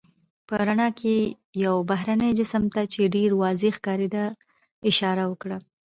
په رڼا کې یې یو بهرني جسم ته، چې ډېر واضح ښکارېده اشاره وکړه.